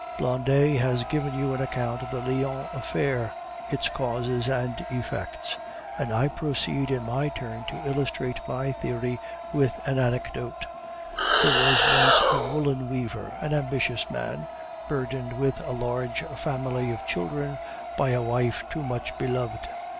Blondet has given you an account of the Lyons affair, its causes and effects, and I proceed in my turn to illustrate my theory with an anecdote: There was once a woolen weaver, an ambitious man, burdened with a large family of children by a wife too much beloved.